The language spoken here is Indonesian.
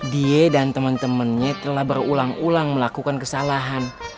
dia dan teman temannya telah berulang ulang melakukan kesalahan